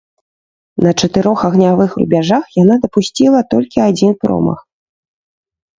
На чатырох агнявых рубяжах яна дапусціла толькі адзін промах.